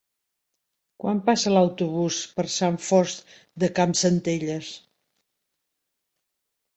Quan passa l'autobús per Sant Fost de Campsentelles?